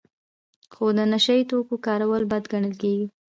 خو د نشه یي توکو کارول بد ګڼل کیږي.